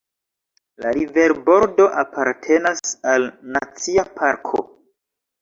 La riverbordo apartenas al Nacia parko.